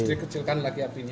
harus dikecilkan lagi apinya